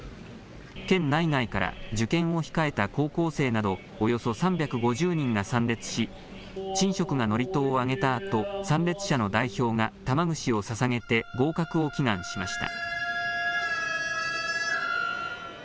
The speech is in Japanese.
県内外から、受験を控えた高校生などおよそ３５０人が参列し、神職が祝詞をあげたあと、参列者の代表が玉串をささげて合格を祈願しました。